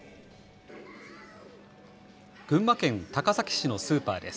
群馬県高崎市のスーパーです。